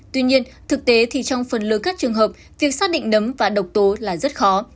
tuy nhiên thực tế thì trong phần lớn các trường hợp việc xác định nấm và độc tố là rất khó